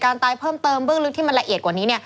ตายเพิ่มเติมเบื้องลึกที่มันละเอียดกว่านี้